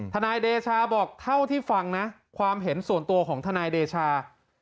ทนายเดชาบอกเท่าที่ฟังนะความเห็นส่วนตัวของทนายเดชา